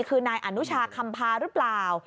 คือนายอนุชาคำพาหรือเปล่า